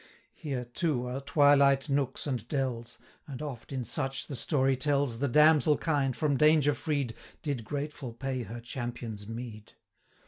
80 Here, too, are twilight nooks and dells; And oft, in such, the story tells, The damsel kind, from danger freed, Did grateful pay her champion's meed.'